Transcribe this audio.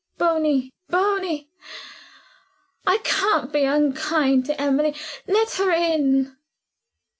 "Bony! Bony! I can't be unkind to Emily. Let her in."